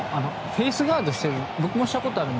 フェースガードしている。